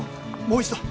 もう一度。